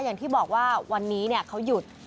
อย่างที่บอกว่าวันนี้เขาหยุด